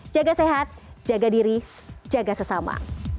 jaga sehat jaga diri jaga sesama